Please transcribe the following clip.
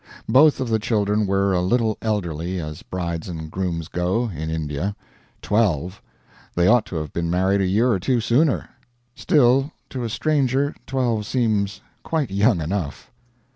Both of the children were a little elderly, as brides and grooms go, in India twelve; they ought to have been married a year or two sooner; still to a stranger twelve seems quite young enough.